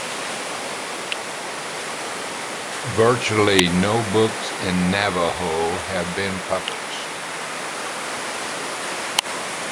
Virtually no books in Navajo had been published.